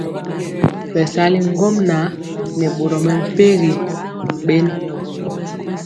Bɛsali ŋgomnaŋ nɛ boro mɛmpegi bɛnd.